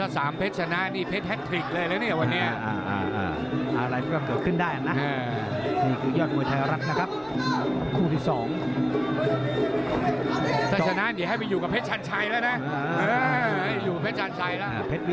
สามเพชรสำนาญถ้าระดับสามเพชรก็เป็นเพชรใช่แล้ว